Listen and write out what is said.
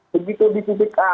begitu di titik a